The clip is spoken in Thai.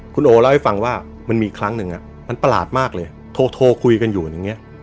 คุณโอเล่าให้ฟังว่ามันมีครั้งหนึ่งมันประหลาดมากเลยโทรคุยกันอยู่อย่างนี้